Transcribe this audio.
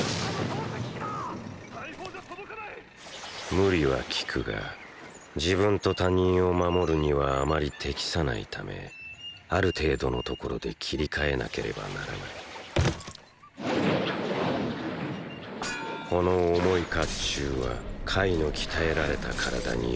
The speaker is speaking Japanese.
無理はきくが自分と他人を守るにはあまり適さないためある程度のところで切り替えなければならないこの重い甲冑はカイの鍛えられた体によく馴染んだ。